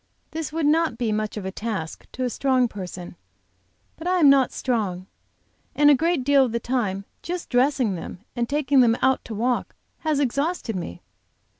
This would not be much of a task to a strong person, but I am not strong, and a great deal of the time just dressing them and taking them out to walk has exhausted me.